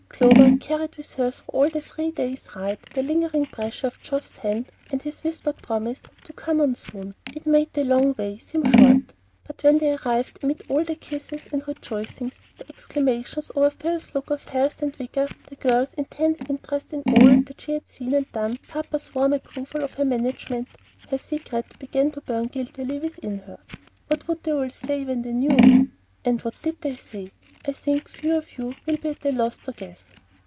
Clover carried with her through all the three days' ride the lingering pressure of Geoff's hand, and his whispered promise to "come on soon." It made the long way seem short. But when they arrived, amid all the kisses and rejoicings, the exclamations over Phil's look of health and vigor, the girls' intense interest in all that she had seen and done, papa's warm approval of her management, her secret began to burn guiltily within her. What would they all say when they knew? And what did they say? I think few of you will be at a loss to guess.